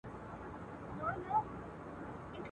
بوډا ژړل ورته یوازي څو کیسې یادي وې.